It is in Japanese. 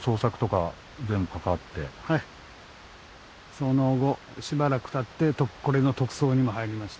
その後しばらくたってこれの特捜にも入りましたんで。